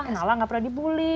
nala nggak pernah dibully